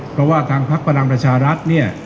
เพราะว่าทางพลักษณ์พลังประชารัฐ